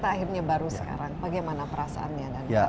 bagaimana perasaannya dan harapannya